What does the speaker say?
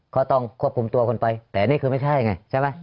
เขาต้องควบคุมตัวคนไปแต่นี่คือไม่ใช่ไง